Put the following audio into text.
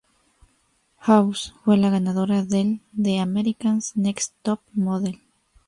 House fue la ganadora del de "America's Next Top Model".